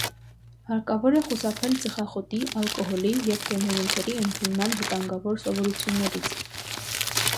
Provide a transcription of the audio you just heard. Հարկավոր է խուսափել ծխախոտի, ալկոհոլի և թմրանյութերի ընդունման վտանգավոր սովորություններից։